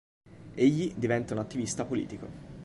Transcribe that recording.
Egli diventa un attivista politico.